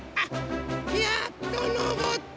やっとのぼった。